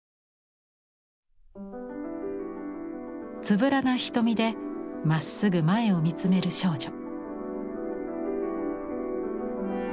つぶらな瞳でまっすぐ前を見つめる少女。